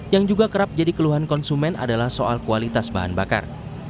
yang juga kerap jadi keluhan konsumen adalah soal kualitas bahan bakar